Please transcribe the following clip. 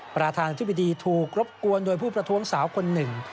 ประธานธิบดีถูกรบกวนโดยผู้ประท้วงสาวคนหนึ่ง